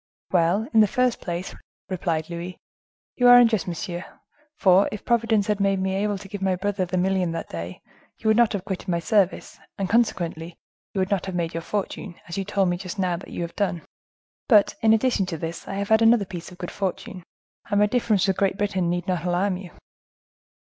"Well, in the first place," replied Louis, "you are unjust, monsieur; for, if Providence had made me able to give my brother the million that day, you would not have quitted my service, and, consequently, you would not have made your fortune, as you told me just now you have done. But, in addition to this, I have had another piece of good fortune; and my difference with Great Britain need not alarm you."